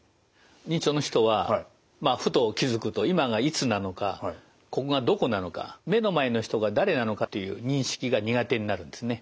認知症の人はふと気付くと今がいつなのかここがどこなのか目の前の人が誰なのかという認識が苦手になるんですね。